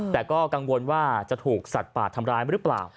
แต่ก็กังวลว่าจะถูกสัตว์ป่าทำร้ายหรือเปล่า